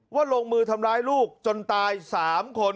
ลงมือทำร้ายลูกจนตาย๓คน